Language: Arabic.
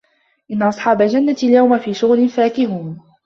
إِنَّ أَصحابَ الجَنَّةِ اليَومَ في شُغُلٍ فاكِهونَ